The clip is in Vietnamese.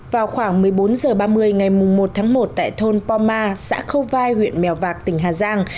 vào khoảng một mươi bốn h ba mươi ngày một tháng một tại thôn poma xã khâu vai huyện mèo vạc tỉnh hà giang